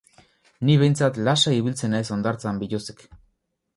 Ni behintzat lasai ibiltzen naiz hondartzan biluzik.